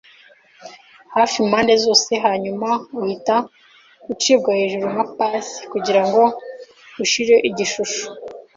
hafi impande zose hanyuma uhita ucibwa hejuru nka pase kugirango ushire igishusho